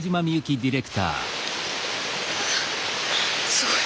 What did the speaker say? すごい。